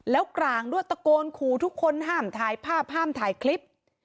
แล้วกลางด้วยตะโกนขู่ทุกคนห้ามถ่ายภาพห้ามถ่ายคลิป